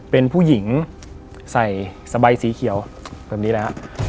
เป็นผู้หญิงใส่สบายสีเขียวแบบนี้นะฮะ